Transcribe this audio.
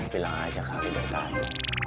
bilang aja kali dari tadi